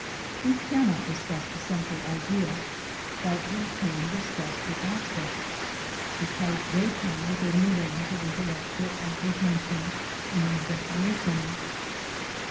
We cannot discuss the central idea, but we can discuss the aspects, because they come within the range of intellectual apprehension and definition.